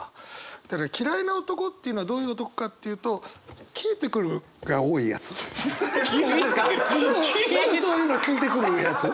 ただ嫌いな男っていうのはどういう男かっていうとすぐそういうの聞いてくるやつ。